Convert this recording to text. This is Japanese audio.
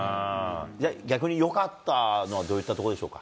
逆によかったのは、どういったところでしょうか。